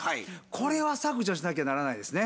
これは削除しなきゃならないですね。